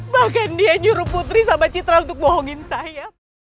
bahkan dia nyuruh putri sama citra untuk bohongin saya